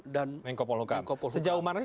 dan menko polhokam sejauh mana sih